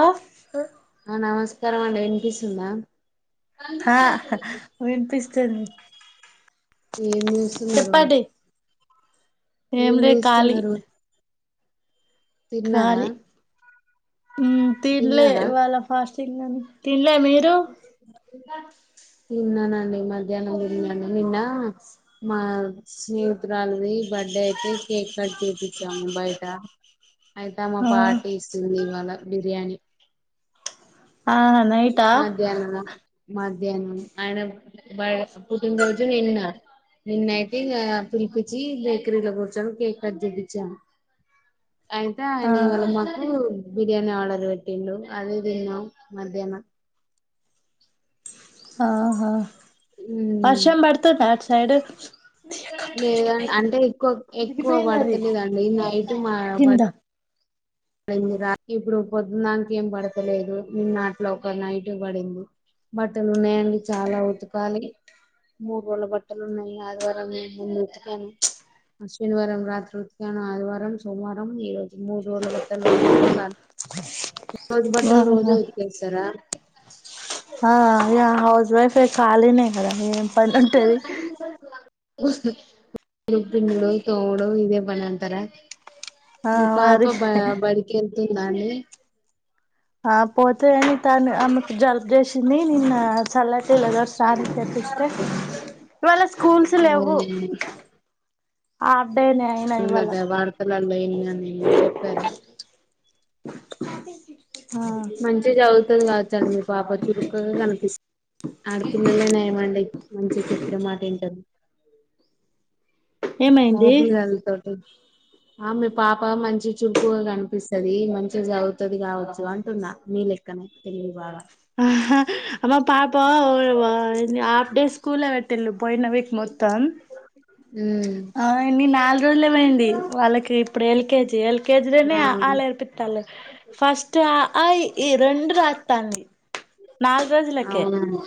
ఆ ఆ నమస్కారం అండి వినిపిస్తుందా ఆ వినిపిస్తుంది ఏం చేస్తున్నారు చెప్పండి ఏం లే కాళి తిన్నారా తినలే తిన్నారా ఈవాళ్ళ ఫాస్టింగ్ అని మీరు [unintelligible] తిన్ననండి మధ్యాహ్నం తిన్న మా స్నేహితురాలు ది ది బర్త్డే అయితే కేక్ కట్ చేపిచ్చాము బయట అయితే ఆమె ఆ పార్టీ ఇస్తుంది. ఇవాళ బిర్యానీ ఆ నైట అధ్యానం ఆయన బ పుటినరోజు నిన్న నిన్న ఐతే ఇగ పిలిపించి బేకరీలో కూర్చొని కేక్ కట్ చేపిచ్చాము. అయితే ఆ ఆయన ఇవాళ మాకు బిర్యానీ ఆర్డర్ పెట్టిండు అది తిన్నాము మధ్యాహ్నం ఆహా ఉమ్ వర్షం పడుతుందా ఆట్ సైడ్ కత్తు లేదండి ఇరిగిపోయింది అంటే ఎక్కువ ఎక్కువ ఇరిగిపోయింది అది పడతలేదండి నైట్ మా కింద పడింది రా ఇప్పుడు పొద్దునా దాంక ఏం పడతలేదు నిన్నట్ల ఒక నైట్ పడింది. బట్టలు ఉన్నాయండి. చాలా ఉతకాలి మూడు రోజుల బట్టలు ఉన్నాయి. ఆదివారం నేను ఉతకాను శనివారం రాత్రి ఉద్యానం ఆదివారం సోమవారం ఈ రోజు మూడు న్నాయి రోజు బట్టలు రోజు ఆహా ఉతికేస్తారా ఆ అ హౌస్ వైఫ్ ఖాళీనే కదా ఏం పని ఉంటది. తినుడు తోముడు ఇదే పన్నాంటర ఆ మీ పాప మరి బడికెళ్తుంద అండి ఆ పోతే అని తను ఆమెకు జల్బ్ చేసింది నిన్న సల్లటి [unintelligible] సార్ తెప్పస్తే ఇవాళ స్కూల్స్ లేవు అవునండి ఆబ్బె నేఅయినా ఇవాళ ఉందట వార్తలలో విన్నా నేను చెప్పారు అ మంచిగా చదువుతది కావచ్చండి మీ పాప చురుక్కగా కనిపి ఆడపిల్లలే నయమండి మంచిగా చెప్పిన మాట ఇంటారు ఏమైంది మగపిల్లగాళ్ళ తోటి ఆ మీపాప మంచిగా చురుకుగా కనిపిస్తాది మంచిగా చదువుతది కావచ్చు అంటున్నా మీ లెక్కనే తెలివి బాగా అ మా పపా హఫ్ డే స్కూలే పె ట్టింది పోయిన విక్ మొత్తం ఉమ్ ఆ ఎన్ని నాలుగు రోజులే పోయింది వాళ్ళకి ఇప్పుడు ఎల్కేజీ ఎల్ ల్కేజీ లోనే ఆఆ ఆ లు నేర్పిత్తాళ్ళు ఫస్ట్ అఆ ఇఈ రెండు రాత్తాంది నాలుగు రోజులకే అవునండి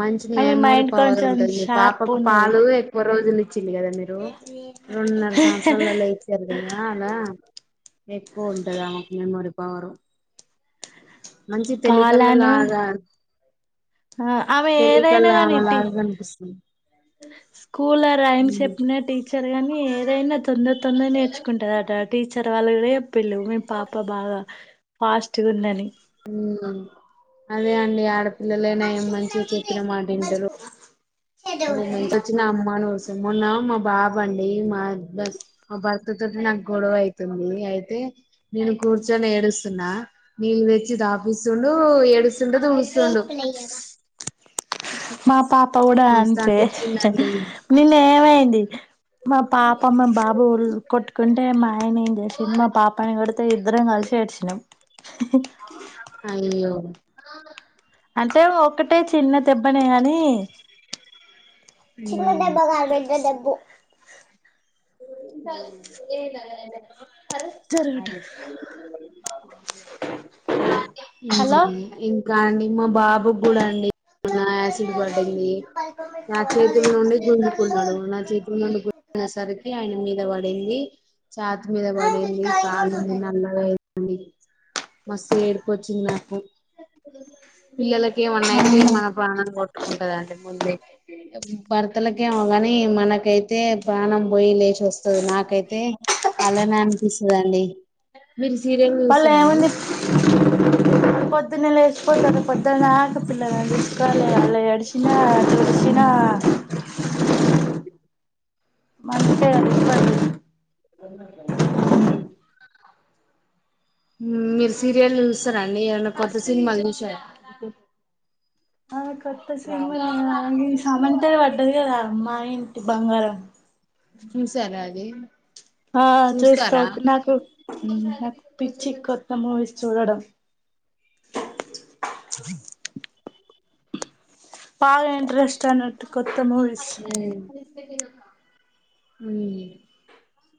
మంచి ఆమె మెమోరీ మైండ్ పవర్ కొంచెం ఉంటది మీ షార్ప్ పాపకు ఉన్నది పాలు ఎక్కువ రోజులు ఇచ్చిళ్ళు కదా మీరు రెండున్నర సంవత్సరాలలో ఇచ్చారు కదా ఎక్కువ ఉంటది ఆమెకు మెమొరీ పవరు మంచి పాలను తెలికళలాగా ఆ ఆమె ఏదైనా గాని ఇటి ఆమెలాగా కనిపిస్తుంది స్కూలా రైమ్స్ ఉమ్. చెప్పిన టీచర్ గాని ఏదైనా తొందర తొందర నేర్చుకుంటాదటా టీచర్ వాళ్ళు కూడా చెప్పిళ్ళు మీ పాప బాగా ఫాస్ట్ గుందాని ఉమ్మ్ అదే అండి ఆడపిల్లలే నయం మంచిగా చెప్పిన మాట ఇంటారు ఓ మాంచోచ్చిన అమ్మను మొన్న బాబండి మా మా భర్త తోటి నాకు గొడవ అయితుంది అయితే నేను కూర్చొని ఏడుస్తున్నా నీళ్ళు తెచ్చి తాపిస్తుండు ఏడు స్తుంటే తుడుస్తుంది మా పాప కూడా అంతే అనిపించిందండి నిన్నేమైంది మా పాప మా బాబు కొట్టుకుంటే మా ఆయన ఏం చేసిండు మా పాపని కొడితే ఇద్దరం కలిసి ఏడ్చినం అయ్యో అంటే ఒకటే చిన్న దెబ్బనే కాని ఎబ్బ ఏ జరుగుడు ఉమ్మ్ హలో ఇం కా అండి మా బాబు కూడా అండి యాసిడ్ పడ్డది నా చేతుల నుండి గుంజుకున్నాడు నా చేతుల నుండి గుంజుకునే సరికి ఆయన మీద పడింది చాతి మీద పడింది కాలు నల్లగా అయిం ది మస్తు ఏడుపొచ్చింది నాకు పిల్లలకి ఏమన్నా అయితే మన ప్రాణం కొట్టుకుంటందండి ముందే భ ర్తలకి ఏమోగాని మనకైతే ప్రాణం పోయి లేచి వ స్తది నాకైతే అలానే అనిపిస్తాదండి వాళ్ళు ఏముంది పొద్దున్నె లేచిపోతారు పొద్దున దాకా పిల్లలను చూసుకోవాలి వాళ్ళు ఏడ్చిన ఉమ్మ్ మనకే తప్పది ఉమ్మ్ మీరు సీరియల్ చూస్తారండి ఏమైన కొత్త సినిమాలు [unintelligible] ఆ కొత్త సినిమా [unintelligible] సమంతది పడ్డది కదా మా ఇంటి బంగారం చూసర అది ఆ చూస్త చూస్తారా నాకు నాకు పిచ్చి కొత్త మూవీస్ చూడడం బాగ ఇంట్రెస్ట్ [unintelligible] కొత్త మూవిస్ హు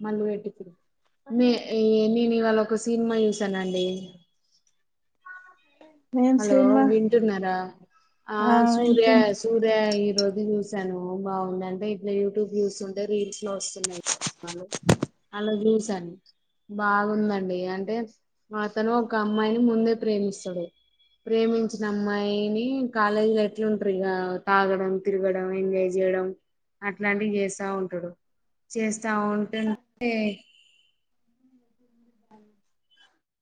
మళ్ళీ పెట్టి నే నేను ఇవాళ ఒక సినిమా చూసానండి ఏం హలో సినిమా వింటున్నార ఆ సూర్య సూర్య రోజు చూసాను బాగుందంటే ఇట్ల యూట్యూబ్ చూస్తుంటే రీల్స్ లో వస్తున్నాయి అలా చూసను బాగుందండి అంటే అతను ఒక అమ్మాయిని ముందే ప్రేమిస్తాడు ప్రేమించిన అమ్మాయిని కాలేజీ లో ఎట్లున్టారు ఇగ తాగడం తిరగడం ఎంజాయ్ చేయడం అట్లాంటివి చేస్త ఉంటాడు చేస్తా ఉంటుంటే